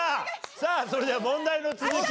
さあそれでは問題の続きを。